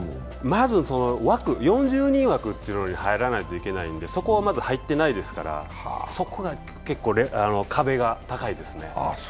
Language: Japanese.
まず、４０人枠に入らないといけないので、そこはまず入ってないですから、そこの壁は高いですね。